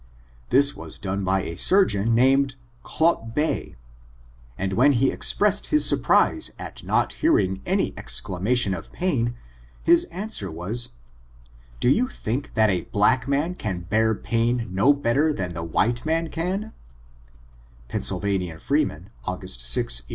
This was done by a surgeon named Clot Bey, and when he expressed his surprise at not hearing any exclamation of pain, his answer was, ^Do you think that a block man can bear pain no better than the white man canl" — Pennsylvanian Freeman, August 6, 1840.